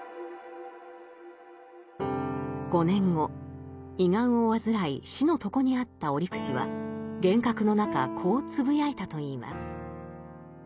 ５年後胃がんを患い死の床にあった折口は幻覚の中こうつぶやいたといいます。